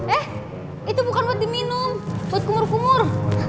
eh itu bukan buat diminum buat kumur kumur